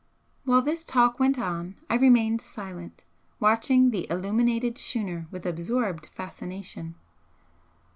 While this talk went on I remained silent, watching the illuminated schooner with absorbed fascination.